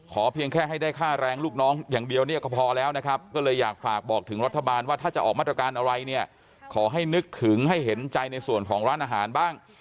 เพียงแค่ให้ได้ค่าแรงลูกน้องอย่างเดียวเนี่ยก็พอแล้วนะครับก็เลยอยากฝากบอกถึงรัฐบาลว่าถ้าจะออกมาตรการอะไรเนี่ยขอให้นึกถึงให้เห็นใจในส่วนของร้านอาหารบ้าง